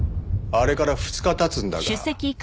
あれから２日経つんだが。